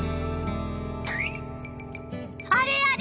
あれあれ？